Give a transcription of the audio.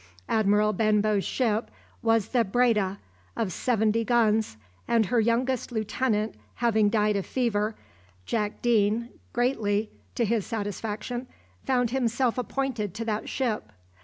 Admiral Benbow's ship was the "Breda," of seventy guns, and her youngest lieutenant having died of fever, Jack Deane, greatly to his satisfaction, found himself appointed to that ship.